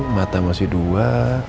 mata masih dua